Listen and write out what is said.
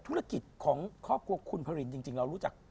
ธุรกิจของครอบครัวคุณพระรินจริงเรารู้จัก